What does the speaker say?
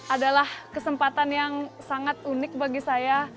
adalah kesempatan yang sangat unik bagi saya